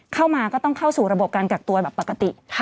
เข้ามาก็ต้องเข้าสู่ระบบการกักตัวแบบปกติ